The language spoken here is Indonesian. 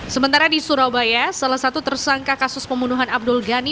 sementara di surabaya salah satu tersangka kasus pembunuhan abdul ghani